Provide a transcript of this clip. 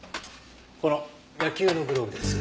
この野球のグローブです。